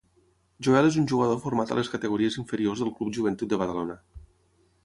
Joel és un jugador format a les categories inferiors del Club Joventut de Badalona.